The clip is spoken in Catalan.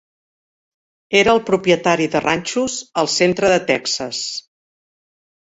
Era el propietari de ranxos al centre de Texas.